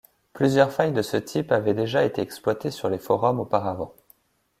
Plusieurs failles de ce type avaient déjà été exploitées sur les forums auparavant.